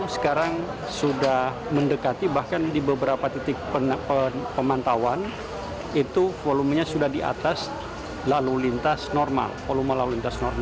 sekarang sudah mendekati bahkan di beberapa titik pemantauan itu volumenya sudah di atas lalu lintas normal